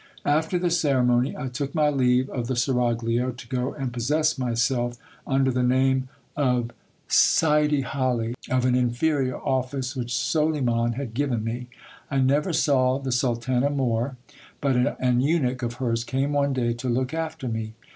After the ceremony, I took my leave of the seraglio, to go and possess myself, under the name of Sidy Hali, of an inferior office which Soliman had given me I never saw the sultana more ; but an eunuch of hers came one day to look after me.